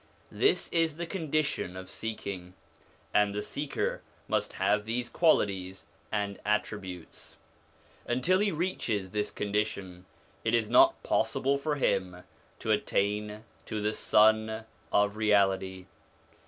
This is the condition of seeking ; and the seeker must have these qualities and attributes. Until he reaches this condition, it is not possible for him to attain to the Sun of Reality.